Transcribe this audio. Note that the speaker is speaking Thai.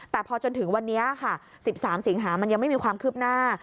แต่พอจนถึงวันนี้ค่ะ๑๓สิงหามันยังไม่มีความคืบหน้า